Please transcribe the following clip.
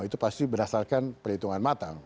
itu pasti berdasarkan perhitungan matang